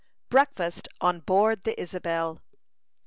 BREAKFAST ON BOARD THE ISABEL.